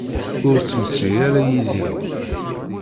Ur ttmeslayet ara yid-i.